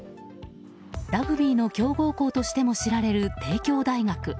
ラグビーの強豪校としても知られる帝京大学。